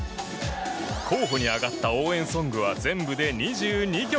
候補に挙がった応援ソングは全部で２２曲。